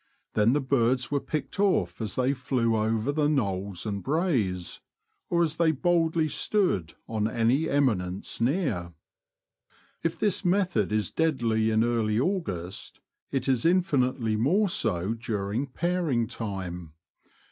Then the birds were picked off as they flew over the knolls and braes, or as they boldly stood on any eminence near. If this method is deadly in early August, it is infinitely more so during pairing time.